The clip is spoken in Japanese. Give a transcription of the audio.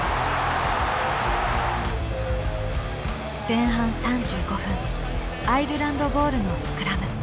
前半３５分アイルランドボールのスクラム。